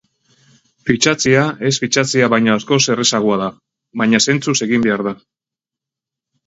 Fitxatzea ez fitxatzea baino askoz errazagoa da, baina zentzuz egin behar da.